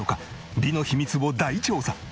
美の秘密を大調査！